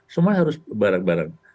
semua harus bareng bareng